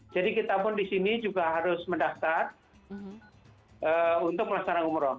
jadi kita pun di sini juga harus mendaftar untuk pelaksanaan umrah